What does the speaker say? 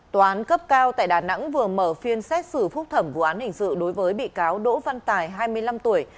tòa án cấp cao tại đà nẵng vừa mở phiên xét xử phúc thẩm vụ án hình sự đối với bị cáo đỗ văn tài hai mươi năm tuổi